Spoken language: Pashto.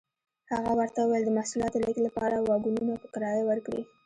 هغه ورته وویل د محصولاتو لېږد لپاره واګونونه په کرایه ورکړي.